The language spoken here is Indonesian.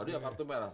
dia kartu merah